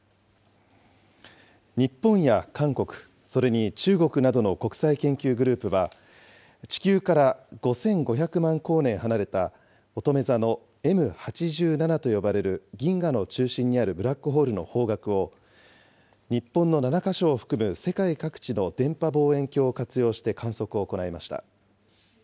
日本や韓国、それに中国などの国際研究グループは、地球から５５００万光年離れたおとめ座のＭ８７と呼ばれる銀河の中心にあるブラックホールの方角を、日本の７か所を含む世界各地の電波望遠鏡を活用して観測を行いました。